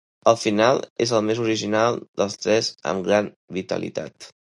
El final és el més original dels tres amb gran vitalitat.